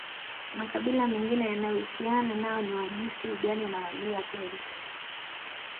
Makabila mengine yanayohusiana nao ni Wagisu Uganda na Waluya Kenya